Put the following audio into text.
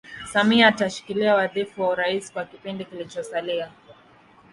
Samia atashikilia wadhifa wa urais kwa kipindi kilichosalia